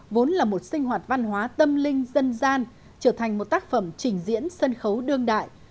vốn là một sinh hoạt văn hóa tâm linh dân gian trở thành một tác phẩm trình diễn sân khấu đương đại